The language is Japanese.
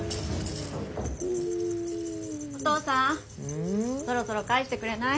お父さんそろそろ返してくれない？